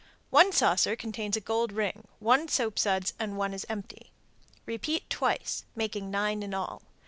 One saucer contains a gold ring, one soapsuds, one is empty. Repeat twice (making nine in all).